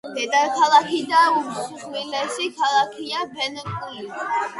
დედაქალაქი და უმსხვილესი ქალაქია ბენკულუ.